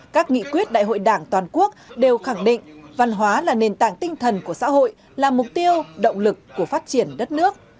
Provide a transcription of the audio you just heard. các nghị quyết đại hội đảng toàn quốc đều khẳng định văn hóa là nền tảng tinh thần của xã hội là mục tiêu động lực của phát triển đất nước